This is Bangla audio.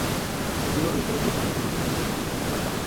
যদিও দুপুরে পুলিশ লাইন মাঠে ফুরফুরে মেজাজেই অনুশীলনে দেখা গেল তাঁকে।